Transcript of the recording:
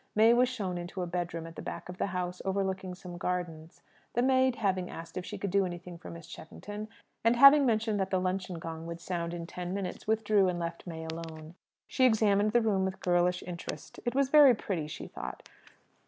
May was shown into a bedroom at the back of the house, overlooking some gardens. The maid, having asked if she could do anything for Miss Cheffington, and having mentioned that the luncheon gong would sound in ten minutes, withdrew, and left May alone. She examined the room with girlish interest. It was very pretty, she thought.